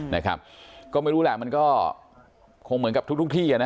นะครับก็ไม่รู้แหละมันก็คงเหมือนกับทุกทุกที่อ่ะนะ